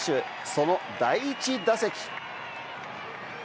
その第１打席。